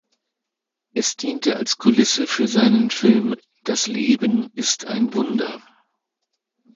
Es diente als Kulisse für seinen Film "Das Leben ist ein Wunder".